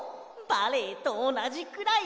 バレエとおなじくらい。